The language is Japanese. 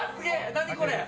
何これ？